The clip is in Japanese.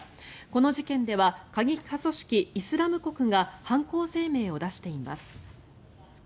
この事件では過激派組織イスラム国が犯行声明を出しています。